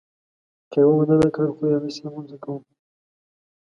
که یې ومنله، کار خو یې هسې هم زه کوم.